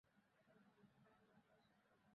তিনি একজন পক্ষী-সংগ্রাহকে রূপান্তরিত হন।